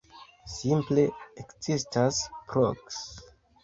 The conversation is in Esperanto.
Simple ekzistas proks.